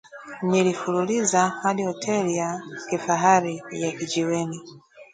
nilifululiza hadi hoteli ya kifahari ya Kijiweni